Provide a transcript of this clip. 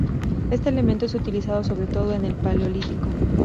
Este elemento es utilizado sobre todo en el paleolítico.